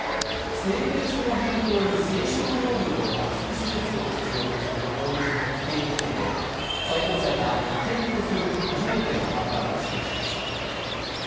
性別の変更に生殖能力をなくす手術を必要とする法律の規定について、最高裁が違憲とする初めての判断を示しました。